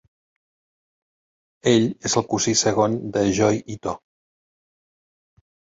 Ell és el cosí segon de Joi Ito.